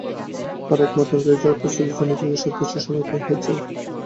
তারাই একমাত্র দেশ, যারা প্রস্তুতির জন্য দীর্ঘ সাত বছর সময় পেয়েছে।